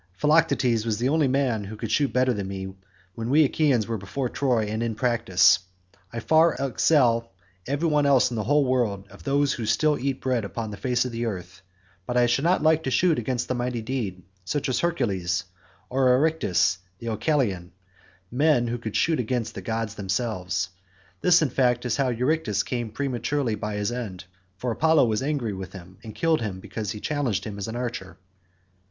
Philoctetes was the only man who could shoot better than I could when we Achaeans were before Troy and in practice. I far excel every one else in the whole world, of those who still eat bread upon the face of the earth, but I should not like to shoot against the mighty dead, such as Hercules, or Eurytus the Oechalian—men who could shoot against the gods themselves. This in fact was how Eurytus came prematurely by his end, for Apollo was angry with him and killed him because he challenged him as an archer.